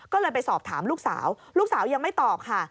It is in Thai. ก็เลยไปสอบถามลูกสาวลูกสาวยังไม่ตอบค่ะ